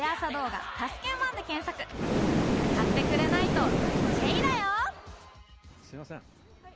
買ってくれないとチェイだよ！